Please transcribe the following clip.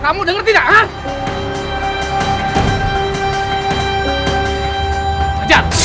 kamu denger tidak